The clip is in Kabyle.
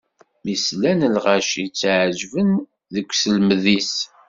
Mi s-slan lɣaci, tɛeǧǧben deg uselmed-is.